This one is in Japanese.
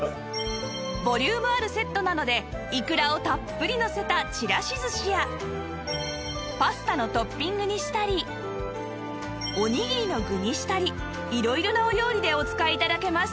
ボリュームあるセットなのでいくらをたっぷりのせたちらし寿司やパスタのトッピングにしたりおにぎりの具にしたり色々なお料理でお使い頂けます